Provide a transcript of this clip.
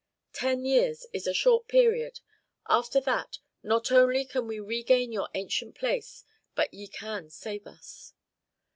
Ten years is a short period; after that not only can ye regain your ancient place, but ye can save us.'"